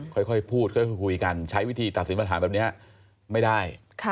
ค่อยพูดค่อยคุยกันใช้วิธีตัดสินปัญหาแบบนี้ไม่ได้